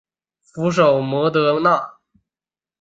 首府摩德纳。